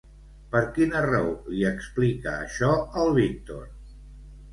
Per quina raó li explica això al Víctor?